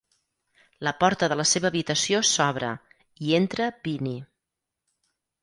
La porta de la seva habitació s'obre, i entra Vinnie.